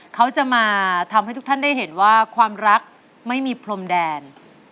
เขาจะมาทำให้ทุกท่านได้เห็นว่าความรักไม่มีพรมแดน